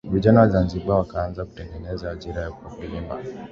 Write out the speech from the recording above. Vijana wa zanzibar wakaanza kutengeneza ajira kwa kuimba